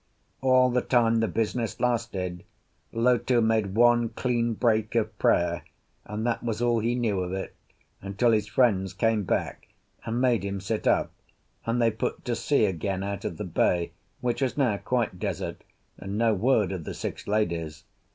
All the time the business lasted Lotu made one clean break of prayer, and that was all he knew of it, until his friends came back, and made him sit up, and they put to sea again out of the bay, which was now quite desert, and no word of the six ladies.